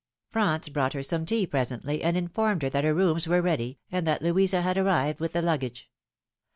Franz brought her some tea presently, and informed her that her rooms were ready, and that Louisa had arrived with the luggage.